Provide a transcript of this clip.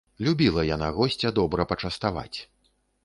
Любіла яна госця добра пачаставаць.